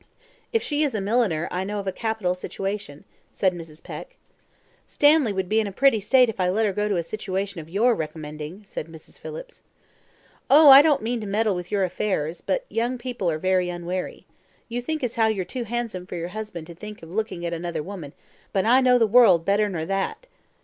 "If she is a milliner, I know of a capital situation," said Mrs. Peck. "Stanley would be in a pretty state if I let her go to a situation of your recommending," said Mrs. Phillips. "Oh, I don't mean to meddle with your affairs; but young people are very unwary. You think as how you're too handsome for your husband to think of looking at another woman; but I know the world better nor that.